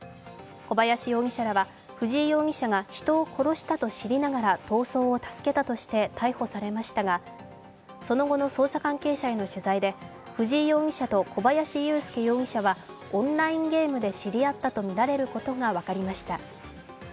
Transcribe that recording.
小林容疑者らは、藤井容疑者が人を殺したと知りながら逃走を助けたとして逮捕されましたがその後の捜査関係者への取材で藤井容疑者と小林優介容疑者はオンラインゲームで知り合ったとみられることが分かりました。